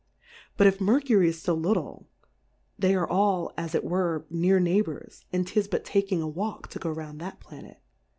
But if Mercury is fo little, they are all (as it were) near Neighbours, and 'tis but taking a Walk, to go round that Planet.